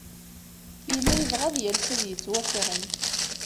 Yella yebɣa ad yales ad yettwafren.